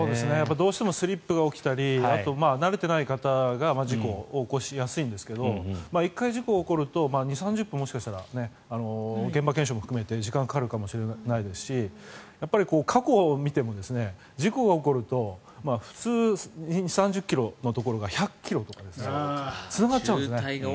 どうしてもスリップが起きたりあとは、慣れてない方が事故を起こしやすいんですけど１回、事故が起こると２０３０分現場検証を含めて時間がかかるかもしれないですし過去を見ても事故が起こると普通２０３０ｋｍのところが１００ｋｍとかつながっちゃうんですね。